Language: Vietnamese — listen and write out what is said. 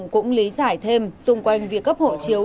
lê quốc hùng cũng lý giải thêm xung quanh việc cấp hộ chiếu